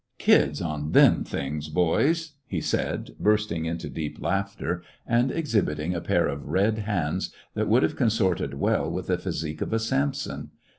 Kids on them things, boys !" he said, bursting into deep laughter, and exhibiting a pair of red hands that would have consorted well with the physique of a Samson.